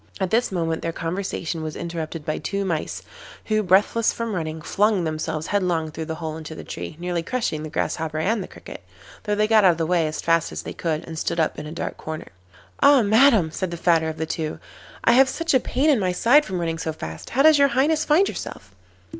At this moment their conversation was interrupted by two mice, who, breathless from running, flung themselves headlong through the hole into the tree, nearly crushing the Grasshopper and the Cricket, though they got out of the way as fast as they could and stood up in a dark corner. 'Ah, Madam,' said the fatter of the two, 'I have such a pain in my side from running so fast. How does your Highness find yourself?